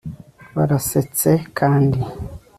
barasetse kandi